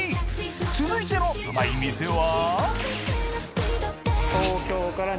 続いてのうまい店は？